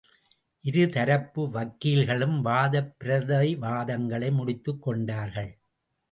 இரு தரப்பு வக்கீல்களும் வாதப்பிரதிவாதங்களை முடித்துக் கொண்டார்கள்.